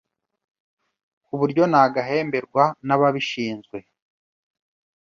ku buryo nagahemberwa nababishinzwe